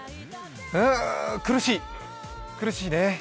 うーん苦しい、苦しいね。